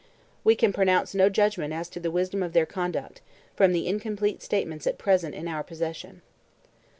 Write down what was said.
We can pronounce no judgment as to the wisdom of their conduct, from the incomplete statements at present in our possession.